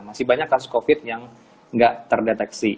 masih banyak kasus covid sembilan belas yang tidak terdeteksi